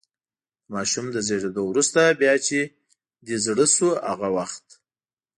د ماشوم له زېږېدو وروسته، بیا چې دې زړه شو هغه وخت.